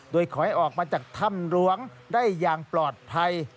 โดยขอให้ออกมาจากถ้ำหลวงได้อย่างปลอดภัย